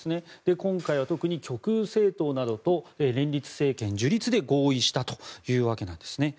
今回は特に極右政党などと連立政権樹立で合意したというわけなんですね。